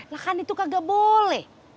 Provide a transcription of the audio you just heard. lah kan itu kagak boleh